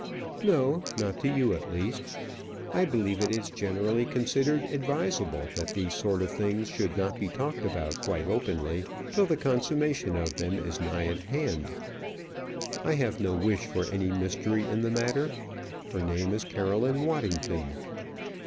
"No; not to you, at least. I believe it is generally considered advisable that these sort of things should not be talked about quite openly till the consummation of them is nigh at hand. I have no wish for any mystery in the matter. Her name is Caroline Waddington."